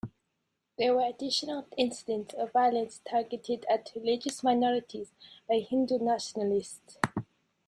There were additional incidents of violence targeted at religious minorities by Hindu nationalists.